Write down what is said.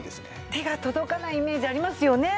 手が届かないイメージありますよね。